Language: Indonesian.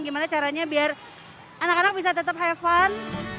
gimana caranya biar anak anak bisa tetap have fun